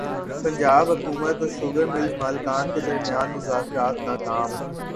پنجاب حکومت اور sugar mills مالکان کے درمیان مذاکرات ناکام